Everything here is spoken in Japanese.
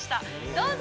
どうぞ。